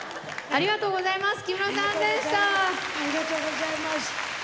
ありがとうございます。